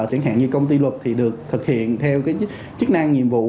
chẳng hạn như công ty luật thì được thực hiện theo chức năng nhiệm vụ